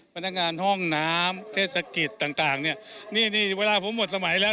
พนักงานห้องน้ำเทศกิจต่างต่างเนี่ยนี่นี่เวลาผมหมดสมัยแล้ว